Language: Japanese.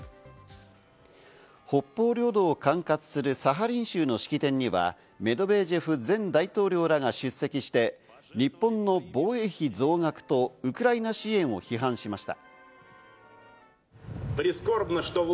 北方領土を管轄するサハリン州の式典にはメドベージェフ前大統領らが出席して、日本の防衛費増額と、ウクライナ支援を批判しました。